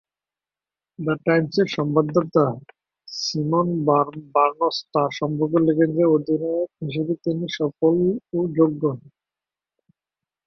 The টাইমসের সংবাদদাতা Simon Barnes তার সম্পর্কে লিখেন যে, অধিনায়ক হিসেবে তিনি সফল ও যোগ্য।